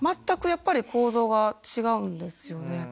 全くやっぱり構造が違うんですよ